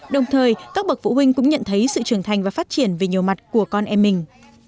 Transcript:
đồng thời các bậc phụ huynh cũng nhận thấy sự trưởng thành và phát triển về nhiều mặt của con em mình